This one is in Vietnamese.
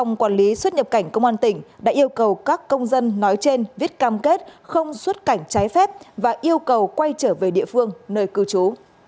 nhập cảnh công an tỉnh đã yêu cầu các công dân nói trên viết cam kết không xuất cảnh trái phép và yêu cầu quay trở về địa phương nơi cư trú